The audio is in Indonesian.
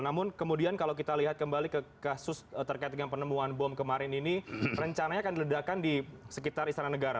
namun kemudian kalau kita lihat kembali ke kasus terkait dengan penemuan bom kemarin ini rencananya akan diledakan di sekitar istana negara